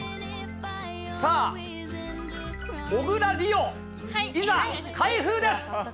さあ、小椋梨央、いざ、開封です。